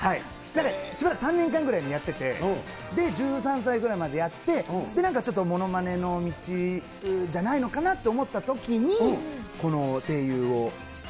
しばらく３年間ぐらいやってて、１３歳ぐらいまでやって、なんかちょっとものまねの道じゃないのかなと思ったときに、この声優を。